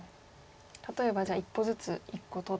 例えばじゃあ一歩ずつ１個取って。